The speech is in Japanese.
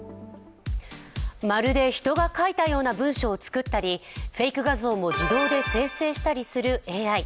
まるで人が書いたような文章を作ったりフェイク画像も自動で生成したりするＡＩ。